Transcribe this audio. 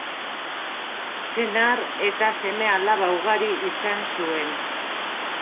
Senar eta seme-alaba ugari izan zuen.